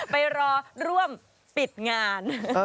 ไปรอร่วมปิดงาน